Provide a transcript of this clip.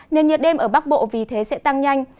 nền nhiệt đêm ở bắc bộ vì thế sẽ tăng nhanh